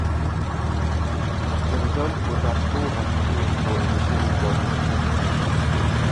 The result was that four hospitals were initially quarantined.